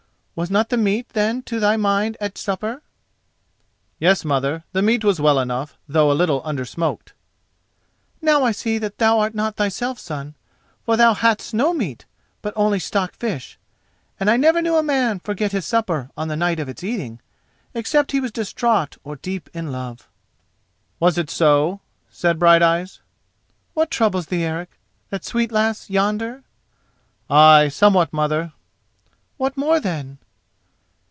Was not the meat, then, to thy mind at supper?" "Yes, mother, the meat was well enough, though a little undersmoked." "Now I see that thou art not thyself, son, for thou hadst no meat, but only stock fish—and I never knew a man forget his supper on the night of its eating, except he was distraught or deep in love." "Was it so?" said Brighteyes. "What troubles thee, Eric?—that sweet lass yonder?" "Ay, somewhat, mother." "What more, then?"